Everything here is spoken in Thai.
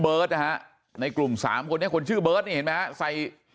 เบิร์ตนะฮะในกลุ่ม๓คนเนี้ยคนชื่อเบิร์ตเนี้ยเห็นไม่ให้ชัย